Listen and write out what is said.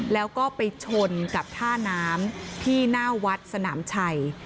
แล้วก็ไปชนกับท่าน้ำที่หน้าวัดสนามชัย